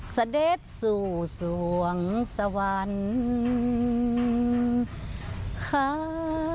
เสด็จสู่สวงสวรรค์ค่ะ